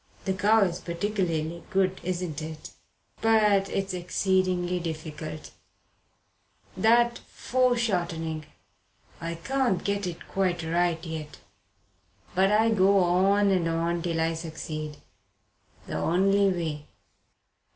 The cow is particularly good, isn't it? But it's exceedingly difficult. That fore shortening I can't get it quite right yet. But I go on and on till I succeed. The only way."